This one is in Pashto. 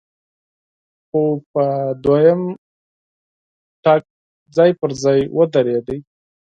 خو په دوهم ډز ځای پر ځای ودرېده،